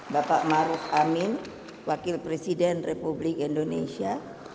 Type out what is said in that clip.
bapak maruf amin wakil presiden republik indonesia